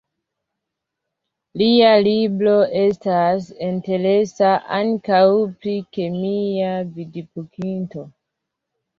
Lia libro estas interesa ankaŭ pri kemia vidpunkto.